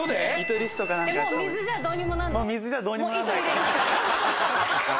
水じゃどうにもなんない？